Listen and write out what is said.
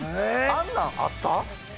あんなんあった？